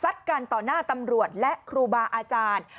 กันต่อหน้าตำรวจและครูบาอาจารย์